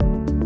ini minum ya